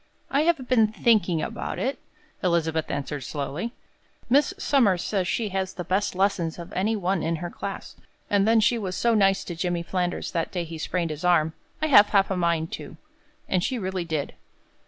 "I have been thinking about it," Elizabeth answered, slowly. "Miss Somers says she has the best lessons of any one in her class, and then she was so nice to Jimmy Flanders that day he sprained his arm. I have half a mind to." And she really did.